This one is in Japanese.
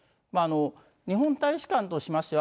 日本大使館としましては、